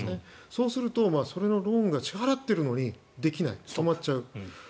そうするとそれのローンを支払っているのにできない、止まっちゃう。